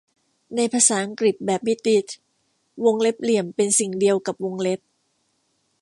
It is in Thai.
ในภาษาอังกฤษแบบบริติช วงเล็บเหลี่ยมเป็นสิ่งเดียวกับวงเล็บ